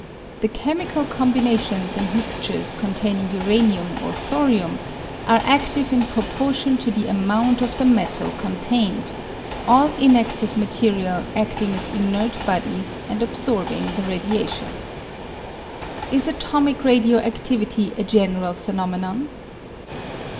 The chemical combinations and mixtures containing uranium or thorium are adive in pro portion to the amount of the metal contained, all inadive material ading as inert bodies and absorbing the radiation. 7j Atomic Radio activity a general Phenomenon